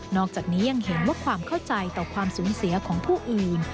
อกจากนี้ยังเห็นว่าความเข้าใจต่อความสูญเสียของผู้อื่น